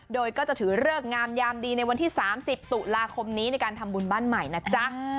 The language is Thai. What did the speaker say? โดยก็จะถือเลิกงามยามดีในวันที่๓๐ตุลาคมนี้ในการทำบุญบ้านใหม่นะจ๊ะ